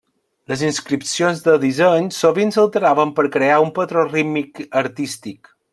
Les inscripcions de disseny sovint s'alteraven per crear un patró rítmic artístic.